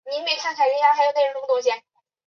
笏形蕈珊瑚为蕈珊瑚科蕈珊瑚属下的一个种。